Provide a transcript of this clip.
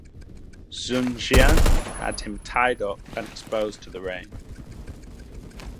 Xun Xian had him tied up and exposed to the rain.